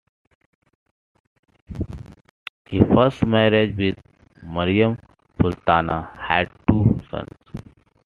His first marriage with Maryam Sultana had two sons.